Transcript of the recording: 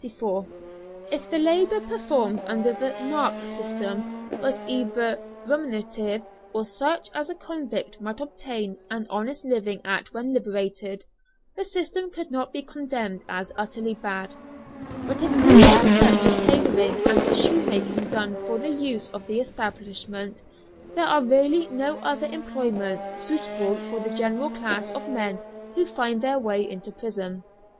If the labour performed under the "mark" system was either remunerative, or such as a convict might obtain an honest living at when liberated, the system could not be condemned as utterly bad. But if we except the tailoring and the shoemaking done for the use of the establishment, there are really no other employments suitable for the general class of men who find their way into prison.